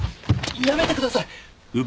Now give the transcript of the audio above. やめてください！